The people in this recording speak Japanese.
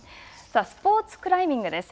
さあスポーツクライミングです。